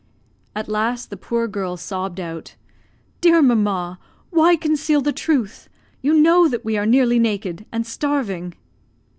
At last the poor girl sobbed out, "Dear mamma, why conceal the truth? You know that we are nearly naked, and starving."